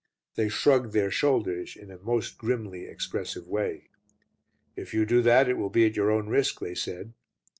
They shrugged their shoulders in a most grimly expressive way. "If you do that it will be at your own risk," they said.